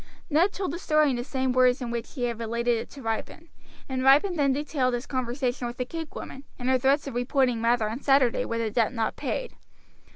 Ned told the story in the same words in which he had related it to Ripon; and Ripon then detailed his conversation with the cake woman, and her threats of reporting Mather on Saturday were the debt not paid.